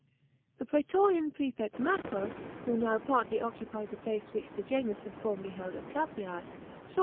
§ 25. The praatorian prefect Macro, who now partly occupied the place which Sejanus had formerly held at Caprese, saw that Gaiu?